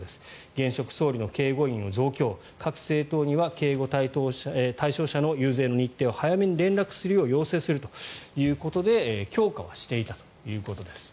現職総理の警護員を増強各政党には警護対象者の遊説の日程を早めに連絡するよう要請するということで強化はしていたということです。